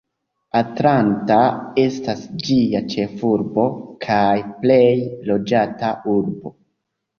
Atlanta estas ĝia ĉefurbo kaj plej loĝata urbo.